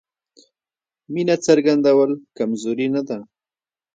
مینه څرګندول کمزوري نه ده.